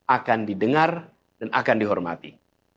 akan didengar dan akan dihormati